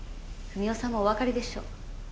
文雄さんもお分かりでしょう。